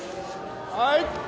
はい